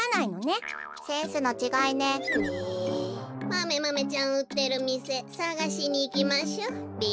マメマメちゃんうってるみせさがしにいきましょべ。